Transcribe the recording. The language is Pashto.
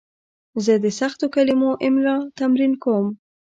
زه د سختو کلمو املا تمرین کوم.